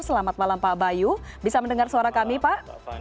selamat malam pak bayu bisa mendengar suara kami pak